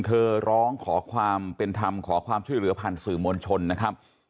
เธอร้องขอความเป็นธรรมขอความช่วยเหลือผ่านสื่อมวลชนนะครับ